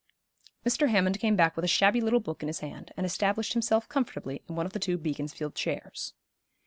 Mr. Hammond came back with a shabby little book in his hand and established himself comfortably in one of the two Beaconsfield chairs.